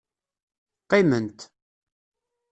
Qqiment.